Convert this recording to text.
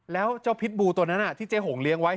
แล้วเจ้าพิษบูตัวนั้นที่เจ๊หงเลี้ยงไว้